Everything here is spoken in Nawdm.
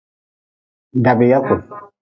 Dabyaku.